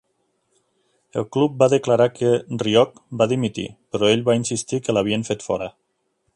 El club va declarar que Rioch va dimitir, però ell va insistir que l'havien fet fora.